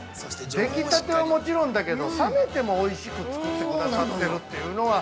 出来たてはもちろんだけど、冷めてもおいしく作ってくださってるというのは。